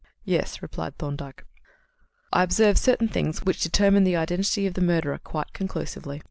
"Yes," replied Thorndyke, "I observed certain things which determine the identity of the murderer quite conclusively."